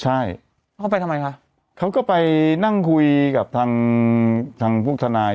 ใช่เขาไปทำไมคะเขาก็ไปนั่งคุยกับทางทางพวกทนาย